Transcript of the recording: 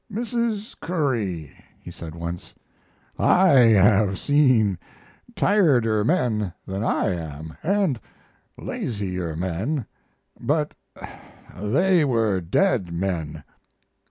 "Mrs. Curry," he said once, "I have seen tireder men than I am, and lazier men, but they were dead men."